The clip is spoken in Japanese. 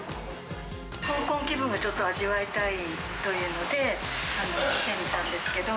香港気分がちょっと味わいたいというので、来てみたんですけど。